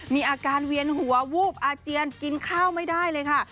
มีอาการเวียนหัววูบอาเจียนกินข้าวไม่ได้เลยค่ะ